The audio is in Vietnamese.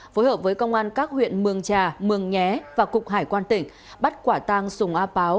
phối hợp với công an các huyện mường trà mường nhé và cục hải quan tỉnh bắt quả tang sùng a páo